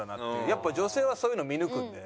やっぱ女性はそういうの見抜くんで。